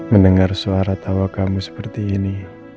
mendengar suara tawa kamu seperti ini